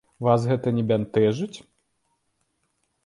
Вас гэта не бянтэжыць?